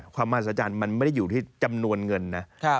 มหาศจรรย์มันไม่ได้อยู่ที่จำนวนเงินนะ